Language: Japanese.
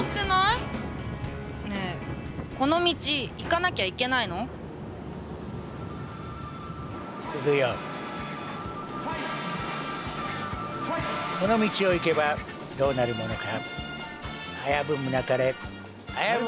この道を行けばどうなるものか。